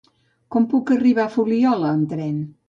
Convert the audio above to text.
Com puc arribar a la Fuliola amb tren?